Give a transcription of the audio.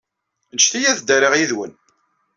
Ǧǧet-iyi ad ddariɣ yid-wen.